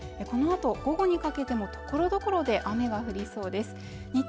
このあと午後にかけてもところどころで雨が降りそうです